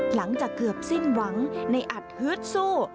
หลังจากเกือบสิ้นหวังในอัดฮึดสู้